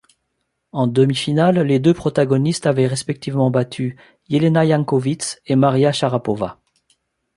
En demi-finale, les deux protagonistes avaient respectivement battu Jelena Janković et Maria Sharapova.